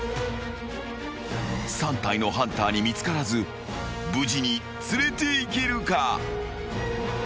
［３体のハンターに見つからず無事に連れていけるか？］